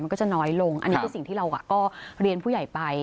มันก็จะน้อยลงอันนี้คือสิ่งที่เราก็เรียนผู้ใหญ่ไป